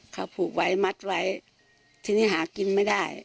เขาผูกไว้มัดไว้ทีนี้หากินไม่ได้